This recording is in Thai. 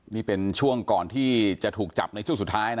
นี่เป็นช่วงก่อนที่จะถูกจับในช่วงสุดท้ายนะ